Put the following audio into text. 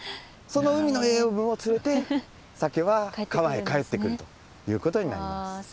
その海の栄養分を連れてサケは川へ帰ってくるということになります。